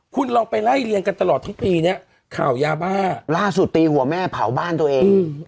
คุณลองไปไล่เรียงกันตลอดทั้งปีเนี่ยข่าวยาบ้าล่าสุดตีหัวแม่เผาบ้านตัวเอง